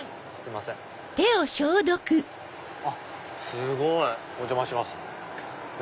すごい！お邪魔します。